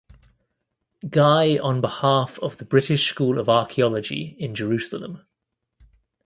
Guy on behalf of the British School of Archaeology in Jerusalem.